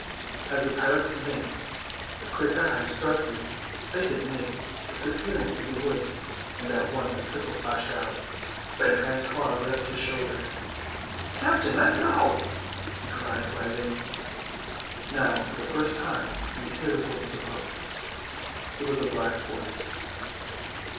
As the pirates advanced, the quick eye of Starkey sighted Nibs disappearing through the wood, and at once his pistol flashed out. But an iron claw gripped his shoulder. "Captain, let go!" he cried, writhing. Now for the first time we hear the voice of Hook. It was a black voice.